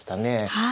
はい。